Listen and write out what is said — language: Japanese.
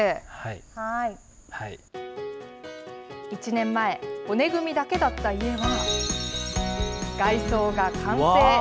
１年前骨組みだけだった家は外装が完成。